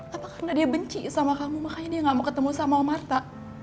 apa karena dia benci sama kamu makanya dia gak mau ketemu sama marta